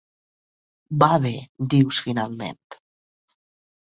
Va bé –dius finalment.